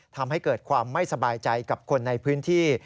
ทำให้เกิดความไม่สบายใจกับคนในพื้นที่